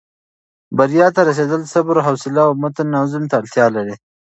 بریا ته رسېدل صبر، حوصلې او متین عزم ته اړتیا لري.